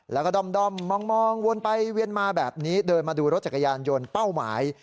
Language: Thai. แล้วก็ด้อมมองวนไปเวียนมาแบบนี้เดินมาดูรถจักรยานยนต์เป้าหมาย